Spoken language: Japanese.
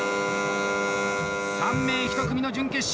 ３名１組の準決勝。